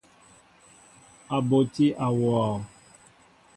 A ɓotí awɔɔ.